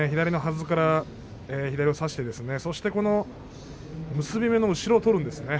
それから左を差して結び目の後ろを取るんですね。